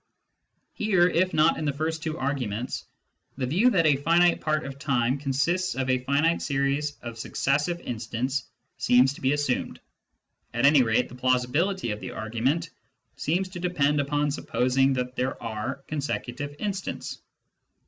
Here, if not in the first two arguments, the view that a finite part of time consists of a finite series of successive instants seems to be assumed ; at any rate the plausibility of the argument seems to depend upon supposing that there are consecutive instants.